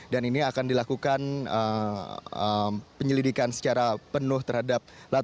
dan ini akan dilakukan penyelidikan secara penuh terhadap latar belakang